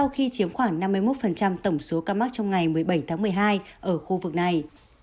khi chiếm khoảng năm mươi một tổng số ca mắc trong ngày một mươi bảy tháng một mươi hai ở khu vực này